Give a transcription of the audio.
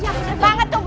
iya bener banget tuh bu